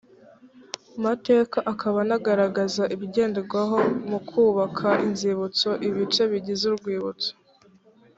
mateka akaba anagaragaza ibigenderwaho mu kubaka inzibutso ibice bigize urwibutso